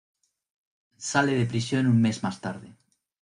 Sale de prisión un mes más tarde.